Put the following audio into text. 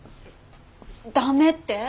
ダメって？